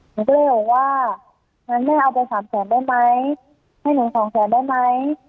หนูก็เลยบอกว่างั้นแม่เอาไปสามแสนได้ไหมให้หนูสองแสนได้ไหม